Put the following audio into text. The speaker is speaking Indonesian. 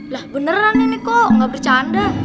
lah beneran ini kok gak bercanda